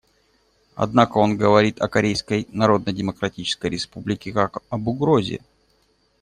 Однако он говорит о Корейской Народно-Демократической Республике как об угрозе.